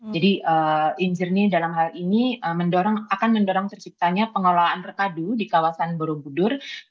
jadi in journey dalam hal ini akan mendorong terciptanya pengelolaan rekadu di kawasan borobudur